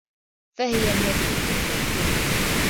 فَهِيَ الْمَادَّةُ الْكَافِيَةُ